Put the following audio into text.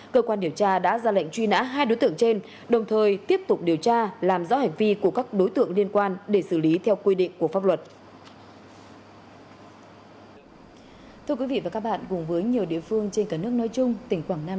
cơ quan điều tra đã ra lệnh truy nã hai đối tượng trên đồng thời tiếp tục điều tra làm rõ hành vi của các đối tượng liên quan để xử lý theo quy định của pháp luật